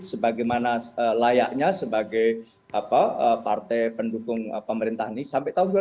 sebagaimana layaknya sebagai partai pendukung pemerintahan ini sampai tahun dua ribu dua puluh empat